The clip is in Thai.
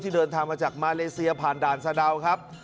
เดินทางมาจากมาเลเซียผ่านด่านสะดาวครับ